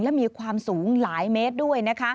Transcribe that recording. และมีความสูงหลายเมตรด้วยนะคะ